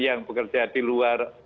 yang bekerja di luar